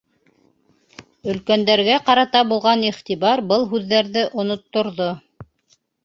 Өлкәндәргә ҡарата булған иғтибар был һүҙҙәрҙе онотторҙо